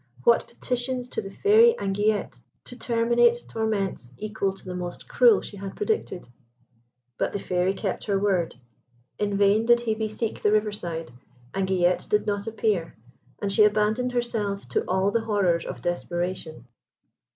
what petitions to the Fairy Anguillette to terminate torments equal to the most cruel she had predicted! But the Fairy kept her word. In vain did Hebe seek the riverside. Anguillette did not appear, and she abandoned herself to all the horrors of desperation.